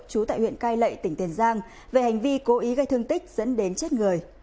trú tại huyện cai lệ tỉnh tiền giang về hành vi cố ý gây thương tích dẫn đến chết người